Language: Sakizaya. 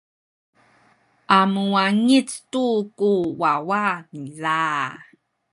a muwangic tu ku wawa niza.